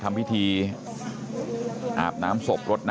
กระดิ่งเสียงเรียกว่าเด็กน้อยจุดประดิ่ง